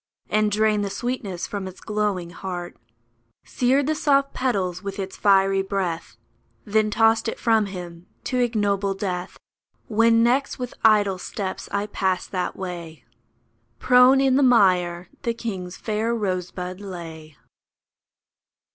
And drained the sweetness from its glowing heart ; Seared the soft petals with its fiery breath, Then tossed it from him to ignoble death ! When next with idle steps I passed that way, Prone in the mire the king's fair rosebud lay.